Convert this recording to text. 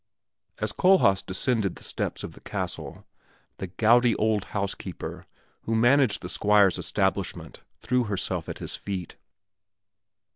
As Kohlhaas descended the steps of the castle, the gouty old housekeeper who managed the Squire's establishment threw herself at his feet.